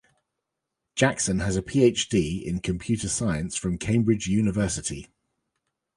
Jackson has a PhD in Computer Science from Cambridge University.